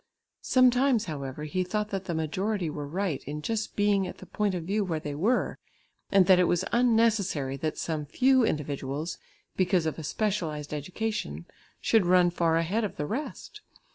Sometimes, however, he thought that the majority were right in just being at the point of view where they were, and that it was unnecessary that some few individuals, because of a specialised education, should run far ahead of the rest.